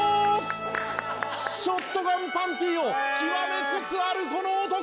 ショットガンパンティを極めつつあるこの男！